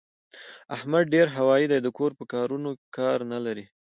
احمد ډېر هوايي دی؛ د کور په کارو کار نه لري.